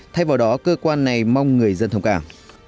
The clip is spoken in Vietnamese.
thay vào đó cơ quan này mong người dân thông cảm